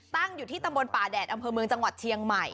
อยู่ที่ตำบลป่าแดดอำเภอเมืองจังหวัดเชียงใหม่